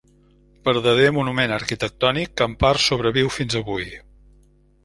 Verdader monument arquitectònic, que en part sobreviu fins avui.